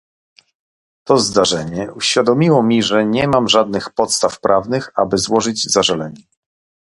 To zdarzenie uświadomiło mi, że nie mam żadnych podstaw prawnych, aby złożyć zażalenie